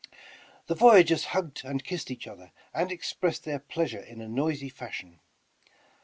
The voyageurs hugged and kissed each other, and expressed their pleasure in a noisy fashion.